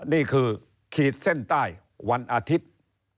นี่คือขีดเส้นใต้วันอาทิตย์